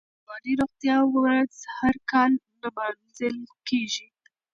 د رواني روغتیا ورځ هر کال نمانځل کېږي.